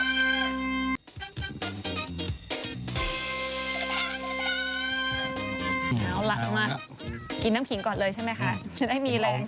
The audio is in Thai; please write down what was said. กินน้ำขิงก่อนเลยใช่ไหมค่ะ